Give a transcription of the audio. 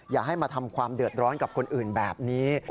อย่าให้มาทำความเดือดร้อนกับคนอื่นแบบนี้